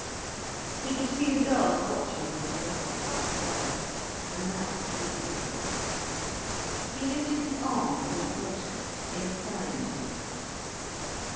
He could see the girls watching him a way off, outside, and that pleased him. He lifted his arm from the water, in a sign to them.